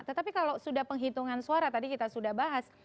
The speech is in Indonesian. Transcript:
tetapi kalau sudah penghitungan suara tadi kita sudah bahas